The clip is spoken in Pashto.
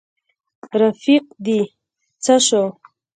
رفیق دي څه شو.